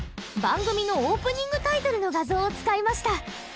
番組のオープニングタイトルの画像を使いました。